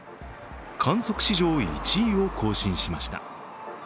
観測史上１位を更新しました。